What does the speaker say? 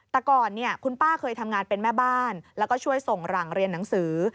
แต่ก่อนเนี่ยคุณป้าเคยทำงานเป็นแม่บ้านแล้วก็ช่วยส่งหลังเรียนหนังสือ